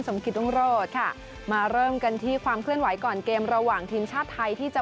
กิจรุ่งโรศค่ะมาเริ่มกันที่ความเคลื่อนไหวก่อนเกมระหว่างทีมชาติไทยที่จะ